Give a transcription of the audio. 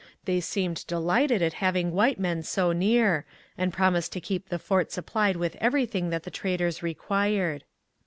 They seemed delighted at having white men so near, and promised to keep the fort supplied with everything that the traders required.